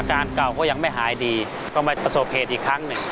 การเก่าก็ยังไม่หายดีก็มาประสบเหตุอีกครั้งหนึ่ง